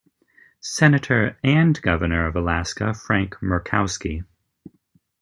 Senator and Governor of Alaska Frank Murkowski.